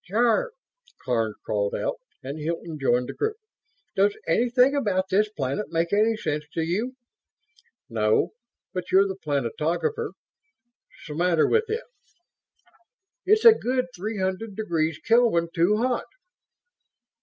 "Jarve!" Karns called out, and Hilton joined the group. "Does anything about this planet make any sense to you?" "No. But you're the planetographer. 'Smatter with it?" "It's a good three hundred degrees Kelvin too hot."